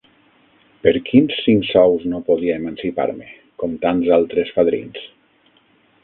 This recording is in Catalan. Per quins cinc sous no podia emancipar-me, com tants altres fadrins?